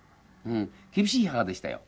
厳しい母でしたよ。